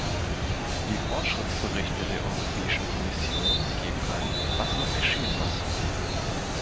Die Fortschrittsberichte der Europäischen Kommission geben an, was noch geschehen muss.